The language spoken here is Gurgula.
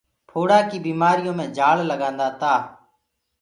ڦوڙآ ڪي بيمآريو مي جآݪ لگآندآ تآ۔